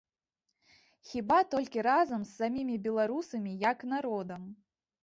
Хіба толькі разам з самімі беларусамі як народам.